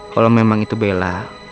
kalau memang itu bella